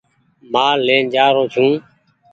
مآل لين جآرو ڇو ۔